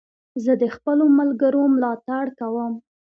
زه د خپلو ملګرو ملاتړ کوم.